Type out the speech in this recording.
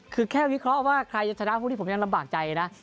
คือแค่วิเคราะห์ว่าใครจะชนะพวกนี้ผมยังลำบากใจนะ